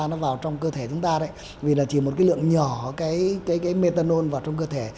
nó vào trong cơ thể chúng ta đấy vì là chỉ một cái lượng nhỏ cái metanol vào trong cơ thể